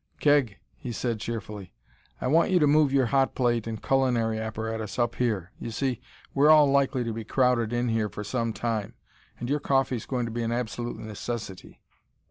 "Keg," he said cheerfully, "I want you to move your hot plate and culinary apparatus up here; you see, we're all likely to be crowded in here for some time, and your coffee's going to be an absolute necessity."